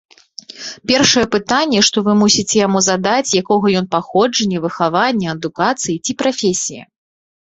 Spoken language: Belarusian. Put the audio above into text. Першае пытанне, што вы мусіце яму задаць, якога ён паходжання, выхавання, адукацыі ці прафесіі.